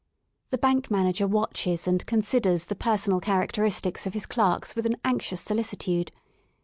The bank manager watches and considers the personal characteristics of his clerks with an anxious solicitude.